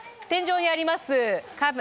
天井にあります